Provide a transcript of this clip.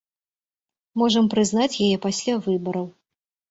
Можам прызнаць яе пасля выбараў.